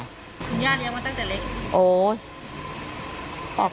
คุณย่าเลี้ยงมาตั้งแต่เล็ก